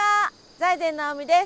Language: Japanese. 財前直見です。